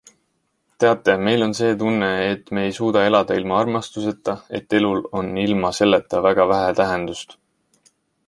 Teate, meil on see tunne, et me ei suuda elada ilma armastuseta, et elul on ilma selleta väga vähe tähendust.